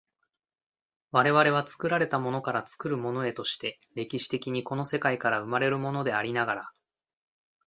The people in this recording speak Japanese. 我々は作られたものから作るものへとして、歴史的にこの世界から生まれるものでありながら、